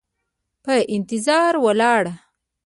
په انتظار ولاړه